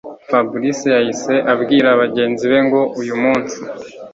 Fabric yahise abwira bagenzi be ngo uyumunsi